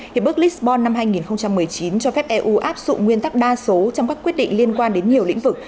hiệp ước lisbon năm hai nghìn một mươi chín cho phép eu áp dụng nguyên tắc đa số trong các quyết định liên quan đến nhiều lĩnh vực